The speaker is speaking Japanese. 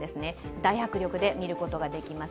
大迫力で見ることができます。